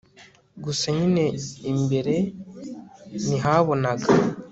gusa nyine imbere nihabonaga